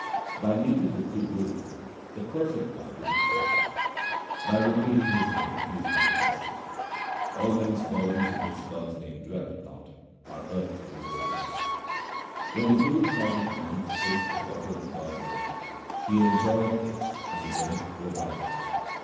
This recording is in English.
By meeting the true Guru the Perfect One is obtained ; by repeating His name He is manifested. All men's bodies in which God's name dwelleth not, are earth in graves. When the Guru causeth man to taste the water of God's name, he enjoyeth it and again reviveth.